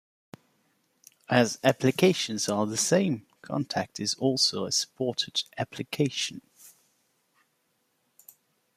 As applications are the same, Kontact is also a supported application.